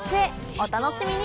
お楽しみに。